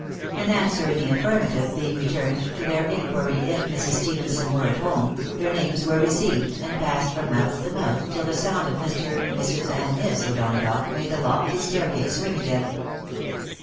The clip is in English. An answer in the affirmative being returned to their inquiry if Mrs. Stephenson were at home, their names were received, and passed from mouth to mouth tOl the sound of Mr., Mrs., and Miss O'Donagough, made the lofty staircase ring again.